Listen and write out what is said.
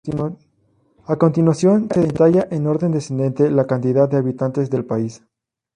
A continuación se detalla en orden descendente la cantidad de habitantes del país.